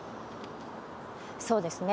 そうですね。